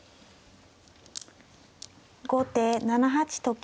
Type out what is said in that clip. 後手７八と金。